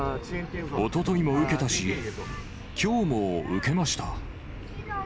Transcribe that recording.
おとといも受けたし、きょうも受けました。